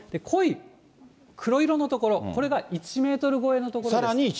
濃い黒色の所、これが１メートル超えの所です。